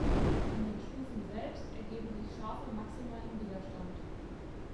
An den Stufen selbst ergeben sich scharfe Maxima im Widerstand.